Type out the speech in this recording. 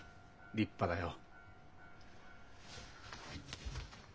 立派だよ。